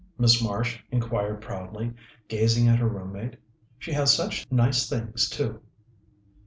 Miss Marsh inquired proudly, gazing at her room mate. "She has such nice things, too."